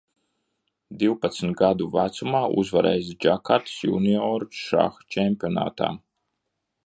Divpadsmit gadu vecumā uzvarējis Džakartas junioru šaha čempionātā.